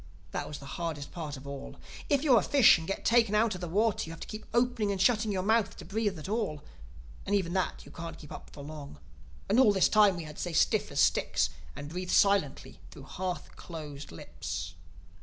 That was the hardest part of all. If you're a fish and get taken out of the water you have to keep opening and shutting your mouth to breathe at all—and even that you can't keep up for long. And all this time we had to stay stiff as sticks and breathe silently through half closed lips.